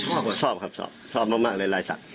ชอบครับชอบมากเลยลายศักดิ